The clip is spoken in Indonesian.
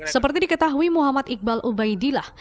seperti diketahui muhammad iqbal ubaidillah